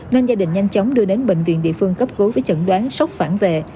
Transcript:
nên gia đình nhanh chóng đưa đến bệnh viện địa phương cấp cứu với chẩn đoán sốc phản vệ